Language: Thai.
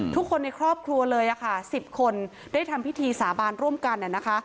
ทุกคนในครอบครัวเลยค่ะ๑๐คนได้ทำพิธีสาบานร่วมกันนะคะ